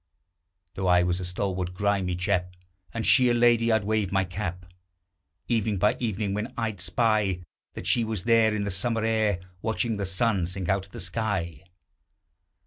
Though I was a stalwart, grimy chap, And she a lady! I'd wave my cap Evening by evening, when I'd spy That she was there, in the summer air, Watching the sun sink out of the sky.